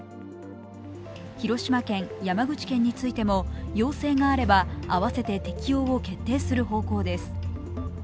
広島県、山口県についても要請があれば併せて適用する方針です。